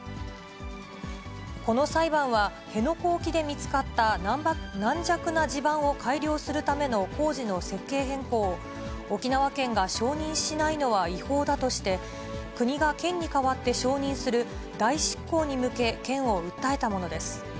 この裁判は、辺野古沖で見つかった軟弱な地盤を改良するための工事の設計変更を、沖縄県が承認しないのは違法だとして、国が県に代わって承認する代執行に向け、県を訴えたものです。